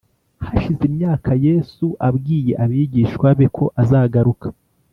Hashize imyaka Yesu abwiye abigishwa be ko azagaruka